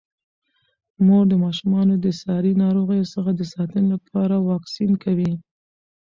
مور د ماشومانو د ساري ناروغیو څخه د ساتنې لپاره واکسین کوي.